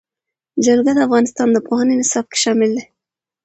جلګه د افغانستان د پوهنې نصاب کې شامل دي.